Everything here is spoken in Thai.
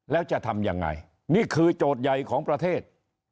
แล้วจะทำยังไงนี่คือโจทย์ใหญ่ของประเทศ